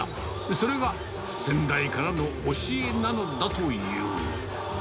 それが先代からの教えなのだという。